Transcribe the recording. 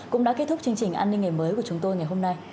cũng đã kết thúc chương trình an ninh ngày mới của chúng tôi ngày hôm nay